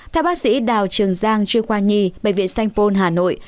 theo bác sĩ đào trường giang chuyên khoa nhi bệnh viện st paul hà nội